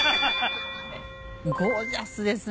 ゴージャスですね。